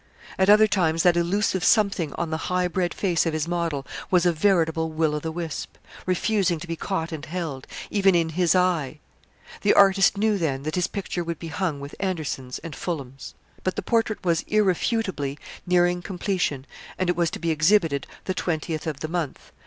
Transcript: At other times that elusive something on the high bred face of his model was a veritable will o' the wisp, refusing to be caught and held, even in his eye. The artist knew then that his picture would be hung with Anderson's and Fullam's. But the portrait was, irrefutably, nearing completion, and it was to be exhibited the twentieth of the month.